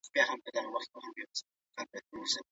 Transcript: که سياستوال هوښيار وي قدرت به ژر ترلاسه کړي.